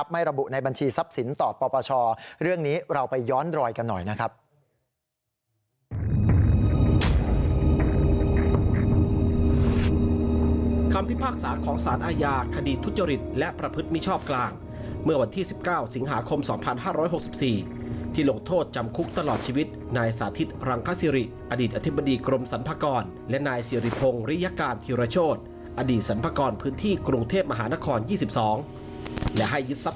ไม่ระบุในบัญชีทรัพย์สินต่อปปชเรื่องนี้เราไปย้อนรอยกันหน่อยนะครับ